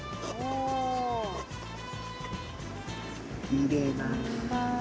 入れます。